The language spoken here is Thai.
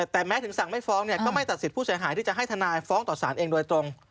แต่แม้ถึงสั่งไม่ฟ้องก็ไม่ตัดสินผู้เสียหายที่จะให้ทนายฟ้องต่อสารเองโดยตรง